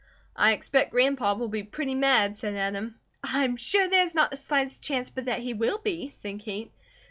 "I expect Grandpa will be pretty mad," said Adam. "I am sure there is not the slightest chance but that he will be," said Kate.